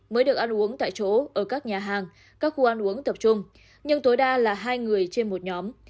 mới được ăn uống tại chỗ ở các nhà hàng các khu ăn uống tập trung nhưng tối đa là hai người trên một nhóm